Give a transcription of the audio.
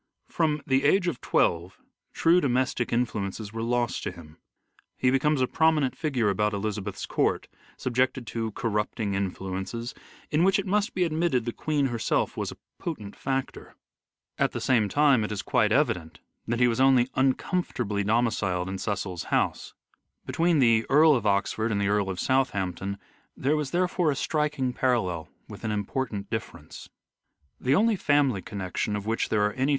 From the age of twelve true domestic influences were lost to him ; he becomes a prominent figure about Elizabeth's court, subjected to corrupting influences, in which it must be admitted the Queen herself was a potent factor. At the same time it is 236 "SHAKESPEARE" IDENTIFIED quite evident that he was only uncomfortably domiciled in Cecil's house. Between the Earl of Oxford and the Earl of Southampton there was therefore a striking parallel with an important difference. Arthur f The only family connection of which there are any Ovid!"